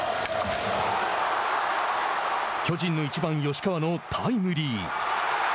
巨人の１番吉川のタイムリー。